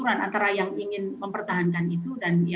orang orang british memerlukan atau mereka di ani